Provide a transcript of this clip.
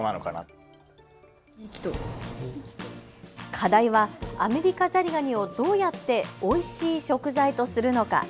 課題はアメリカザリガニをどうやっておいしい食材とするのか。